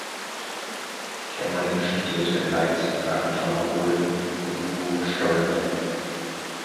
Kämmerling studierte in Leipzig bei Anton Rohden und Hugo Steurer.